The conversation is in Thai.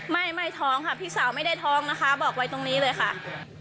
ไม่ไม่ท้องค่ะพี่สาวไม่ได้ท้องนะคะบอกไว้ตรงนี้เลยค่ะ